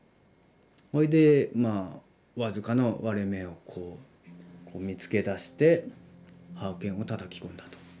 それでわずかな割れ目を見つけ出してハーケンをたたき込んだと。